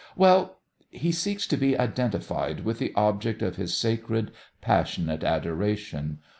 Well, he seeks to be identified with the object of his sacred, passionate adoration.